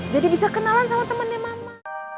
jadi bisa kenalan sama temennya mama